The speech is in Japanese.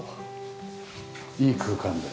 いい空間で。